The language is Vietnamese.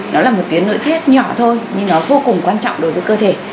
nó là một tuyến nội tiết nhỏ thôi nhưng nó vô cùng quan trọng đối với cơ thể